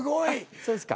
そうですか？